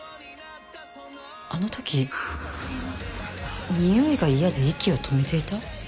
あの時においが嫌で息を止めていた？